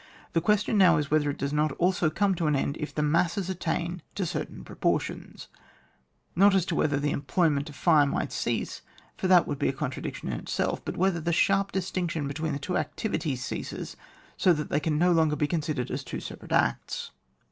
The question now is whether it does not also come to an end if the masses attain to certain proportions ; not as to whether the employment of fire might cease, for that would be a contra diction in itself, but whether the sharp distinction between the two activities ceases, so that they can no longer be considered as two separate acts.